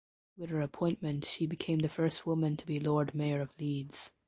With her appointment she became the first woman to be Lord Mayor of Leeds.